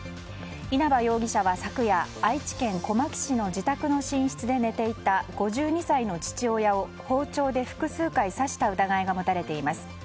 稲葉容疑者は昨夜愛知県小牧市の自宅の寝室で寝ていた５２歳の父親を包丁で複数回刺した疑いが持たれています。